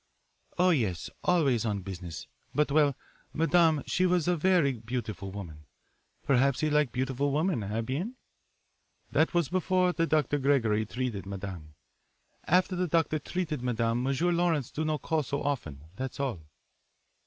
"Oh, yes, always on business, but well, madame, she was a very beautiful woman. Perhaps he like beautiful women eh bien? That was before the Doctor Gregory treated madame. After the doctor treated madame M'sieur Lawrence do not call so often. That's all."